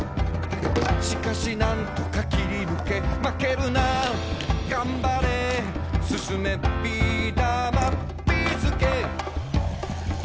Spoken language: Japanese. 「しかし何とか切りぬけ」「まけるながんばれ」「進め！ビーだまビーすけ」